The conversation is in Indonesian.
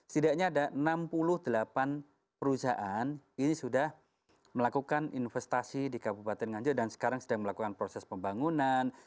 setidaknya ada enam puluh delapan perusahaan ini sudah melakukan investasi di kabupaten nganjuk dan sekarang sedang melakukan proses pembangunan